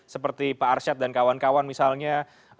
seperti pak arsyad dan kawan kawan misalnya